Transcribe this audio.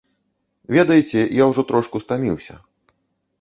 Ведаеце, я ўжо трошку стаміўся.